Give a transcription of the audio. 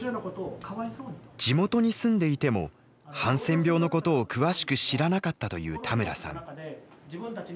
地元に住んでいてもハンセン病のことを詳しく知らなかったという田村さん。